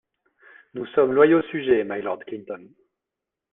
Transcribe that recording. Nous sommes loyaux sujets, My Lord Clinton .